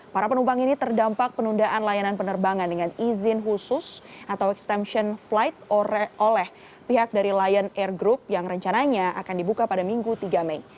para penumpang ini terdampak penundaan layanan penerbangan dengan izin khusus atau extension flight oleh pihak dari lion air group yang rencananya akan dibuka pada minggu tiga mei